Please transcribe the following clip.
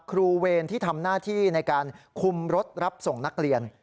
เวรที่ทำหน้าที่ในการคุมรถรับส่งนักเรียน